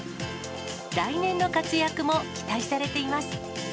来年の活躍も期待されています。